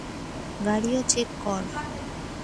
গাড়ীও চেক কর?